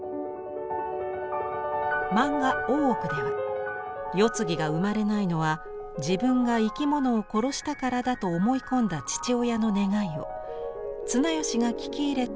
漫画「大奥」では「世継ぎが生まれないのは自分が生き物を殺したからだ」と思い込んだ父親の願いを綱吉が聞き入れて発令します。